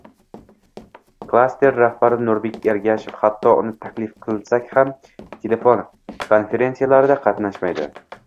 «Klaster rahbari Nurbek Ergashev, hatto uni taklif qilsak ham, telefon konferentsiyalarida qatnashmaydi